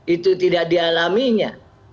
itu tidak dialaminya